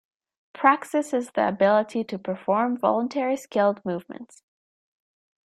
Praxis is the ability to perform voluntary skilled movements.